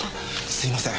すいません